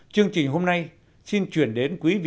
chương trình hôm nay xin chuyển đến quý vị